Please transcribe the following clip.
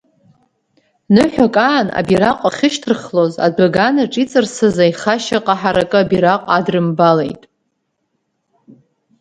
Ныҳәак аан абираҟ ахьышьҭырхлоз, адәы аганаҿ иҵарсыз аиха шьаҟа ҳаракы бираҟ адрымбалеит.